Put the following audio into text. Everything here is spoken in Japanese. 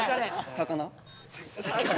魚。